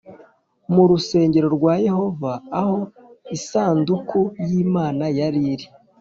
Mu rusengero rwa Yehova aho isanduku y’ Imana yari iri